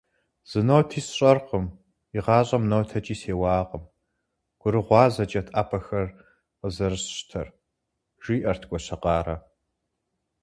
- Зы ноти сщӀэркъым, игъащӀэм нотэкӀи сеуакъым, гурыгъуазэкӀэт Ӏэпэхэр къызэрысщтэр, - жиӏэрт Гуащэкъарэ.